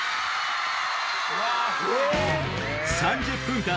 ３０分間